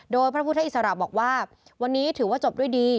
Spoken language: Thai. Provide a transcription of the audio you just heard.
โดยพระพุทธอิสระบอกว่าวันนี้ถือว่าจบด้วยดี